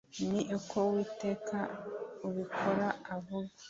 Ni ko Uwiteka ubikora avuga.